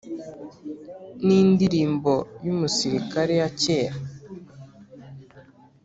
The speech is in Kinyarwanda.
nindirimbo yumusirikare ya kera